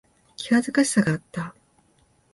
気恥ずかしさがあった。